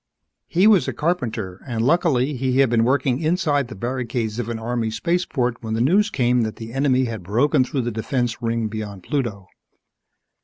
_ He was a carpenter and luckily, he had been working inside the barricades of an Army spaceport when the news came that the enemy had broken through the defense ring beyond Pluto.